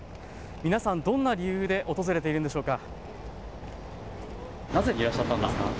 皆さん、どんな理由で訪れているんでしょうか。